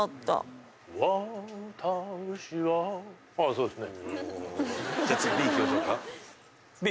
そうですね